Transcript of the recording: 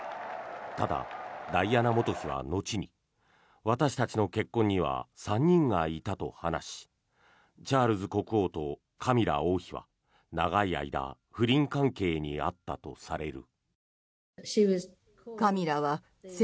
ただ、ダイアナ元妃は後に私たちの結婚には３人がいたと話しチャールズ国王とカミラ王妃は長い間不倫関係にあったとされる。